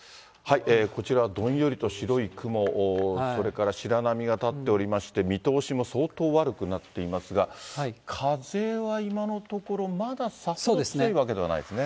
こちらはどんよりと白い雲、それから白波が立っておりまして、見通しも相当悪くなっていますが、風は今のところ、まださほどきついわけではないですね。